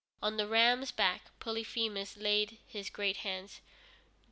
On the ram's back Polyphemus laid his great hands.